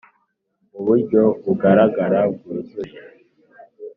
Mu buryo bugaragara bwuzuye